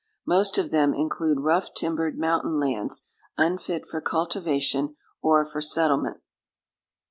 Most of them include rough timbered mountain lands, unfit for cultivation or for settlement.